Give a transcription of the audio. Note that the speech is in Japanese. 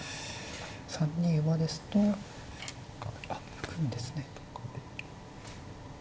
３二馬ですと浮くんですね。